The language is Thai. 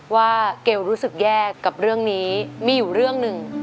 เกลรู้สึกแยกกับเรื่องนี้มีอยู่เรื่องหนึ่ง